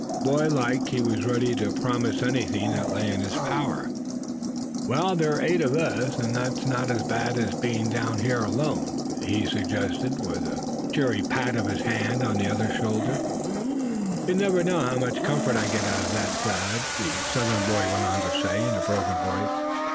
Boy like he was ready to promise anything that lay in his power. "Well, there are eight of us, and that's not as bad as being here alone," he suggested, with a cheering pat of his hand on the other's shoulder. "You'll never know how much comfort I get out of that, Thad," the Southern boy went on to say, in a broken voice.